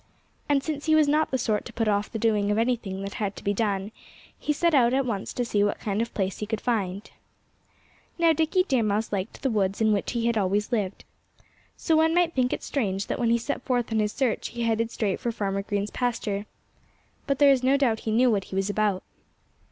And since he was not the sort to put off the doing of anything that had to be done, he set out at once to see what kind of place he could find. Now, Dickie Deer Mouse liked the woods in which he had always lived. So one might think it strange that when he set forth on his search he headed straight for Farmer Green's pasture. But there is no doubt that he knew what he was about.